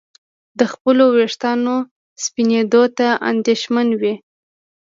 د خپلو ویښتانو سپینېدو ته اندېښمن وي.